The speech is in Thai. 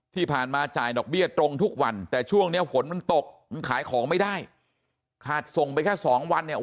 ที่ผ่านมาจ่ายดอกเบี้ยตรงทุกวันแต่ช่วงเนี้ยฝนมันตกมันขายของไม่ได้ขาดส่งไปแค่สองวันเนี่ย